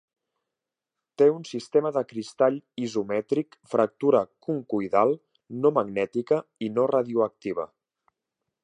Té un sistema de cristall isomètric, fractura concoidal, no magnètica i no radioactiva.